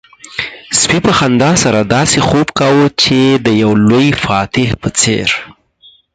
سپي په خندا سره داسې خوب کاوه چې د يو لوی فاتح په څېر.